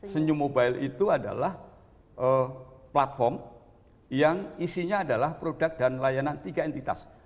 senyum mobile itu adalah platform yang isinya adalah produk dan layanan tiga entitas